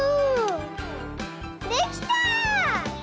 できた！